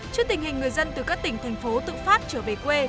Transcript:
trước tình hình người dân từ các tỉnh thành phố tự phát trở về quê